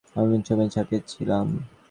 খবরের সঙ্গে ওসমান গনির একটি ছবি ছাপা হয়েছে।